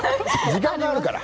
時間があるから。